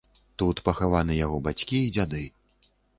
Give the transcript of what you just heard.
Тут пахаваны яго бацькі і дзяды.